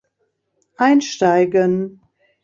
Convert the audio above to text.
Einsteigen!